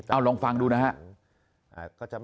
เอาลองฟังดูนะฮะ